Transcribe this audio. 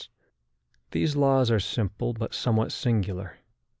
] These laws are simple, but somewhat singular.